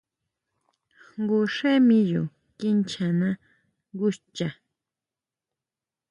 Jngu xé miyo kinchana nguxcha.